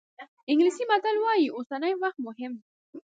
انګلیسي متل وایي اوسنی وخت مهم دی.